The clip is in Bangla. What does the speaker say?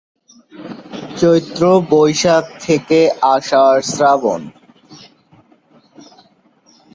চৈত্র/বৈশাখ থেকে আষাঢ়/শ্রাবণ।